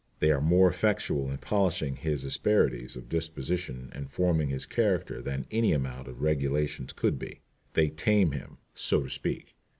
They are more effectual in polishing his asperities of disposition and forming his character than any amount of regulations could be. They tame him, so to speak.